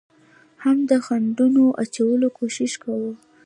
هم د خنډانو اچولو کوشش کوو،